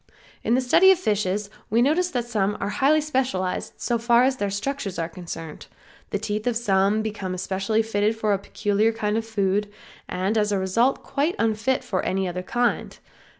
In the study of fishes we notice that some are highly specialized so far as their structures are concerned; the teeth of some become especially fitted for a peculiar kind of food, and as a result quite unfit for any other kind.